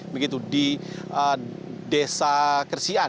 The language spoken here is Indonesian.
begitu di desa kersian